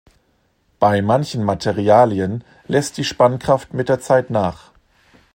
Bei manchen Materialien lässt die Spannkraft mit der Zeit nach.